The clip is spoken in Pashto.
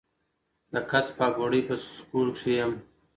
د کڅ پاګوړۍ پۀ سکول کښې يم